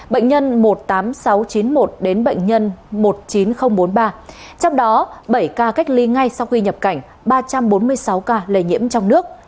bệnh nhân một mươi tám nghìn sáu trăm chín mươi một đến bệnh nhân một mươi chín nghìn bốn mươi ba trong đó bảy ca cách ly ngay sau khi nhập cảnh ba trăm bốn mươi sáu ca lây nhiễm trong nước